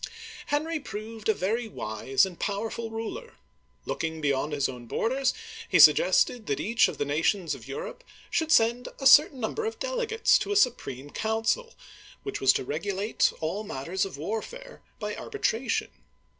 Henry proved a very wise and powerful ruler. Look ing beyond his own borders, he suggested that each of the nations of Europe should send a certain number of dele gates to a supreme council, which was to regulate all matters of warfare by arbitration.